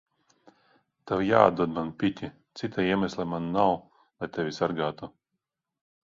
Tev jāatdod man piķi. Cita iemesla man nav, lai tevi sargātu.